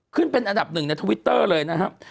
ขึ้นเป็นอันดับหนึ่งในทวิตเตอร์เลยนะครับ